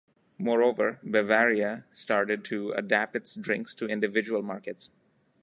Moreover, Bavaria started to adapt its drinks to individual markets.